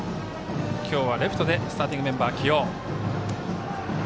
今日はレフトでスターティングメンバー起用。